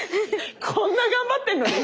こんな頑張ってんのに。